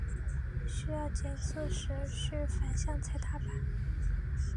需要减速时须反向踩踏板。